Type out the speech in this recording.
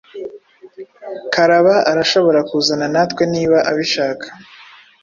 Karaba arashobora kuzana natwe niba abishaka.